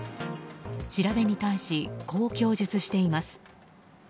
調べに対し、こう供述しています。